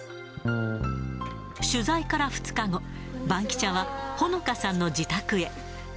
取材から２日後、バンキシャはほのかさんの自宅へ。